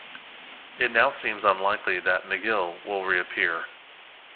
It now seems unlikely that "Magill" will reappear.